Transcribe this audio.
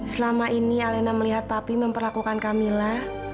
selama ini alena melihat papi memperlakukan camilla